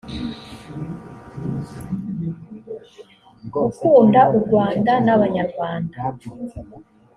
gukunda u rwanda n abanyarwanda